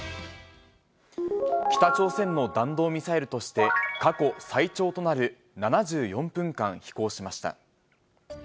北朝鮮の弾道ミサイルとして、過去最長となる７４分間飛行しました。